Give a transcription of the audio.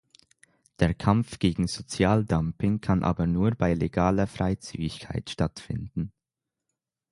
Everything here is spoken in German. Der Kampf gegen Sozialdumping kann aber nur bei legaler Freizügigkeit stattfinden.